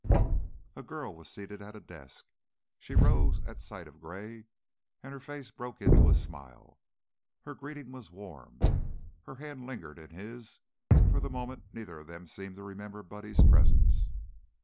A girl was seated at a desk; she rose at sight of Gray, and her face broke into a smile. Her greeting was warm; her hand lingered in his; for the moment neither of them seemed to remember Buddy's presence.